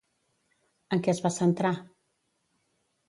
En què es va centrar?